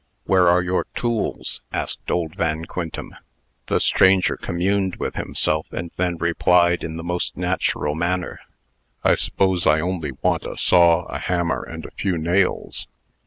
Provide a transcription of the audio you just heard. "Where are your tools?" asked old Van Quintem. The stranger communed with himself, and then replied, in the most natural manner, "I s'pose I only want a saw, a hammer, and a few nails.